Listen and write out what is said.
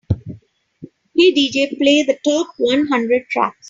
"Hey DJ, play the top one hundred tracks"